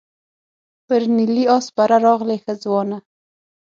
پر نیلي آس سپره راغلې ښه ځوانه.